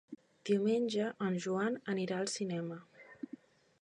Diumenge en Joan anirà al cinema.